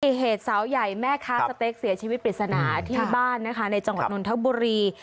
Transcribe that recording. เหตุสาวใหญ่แม่ค้าสเต็กเสียชีวิตปริศนาที่บ้านนะคะในจังหวัดนนทบุรี